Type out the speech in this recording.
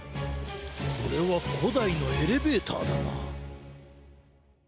これはこだいのエレベーターだな。